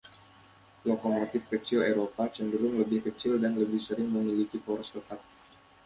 Lokomotif kecil Eropa cenderung lebih kecil dan lebih sering memiliki poros tetap.